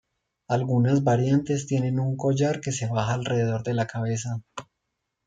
Algunas variantes tienen un collar que se baja alrededor de la cabeza.